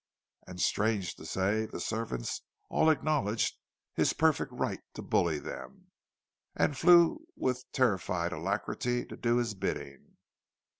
And, strange to say, the servants all acknowledged his perfect right to bully them, and flew with terrified alacrity to do his bidding.